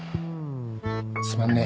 すまんね